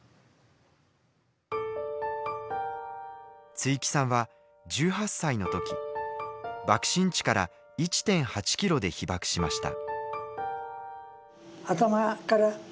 築城さんは１８歳のとき爆心地から１．８ｋｍで被爆しました。